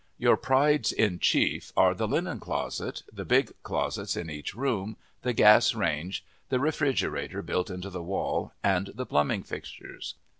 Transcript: Your prides in chief are the linen closet, the big closets in each room, the gas range, the refrigerator built into the wall and the plumbing fixtures.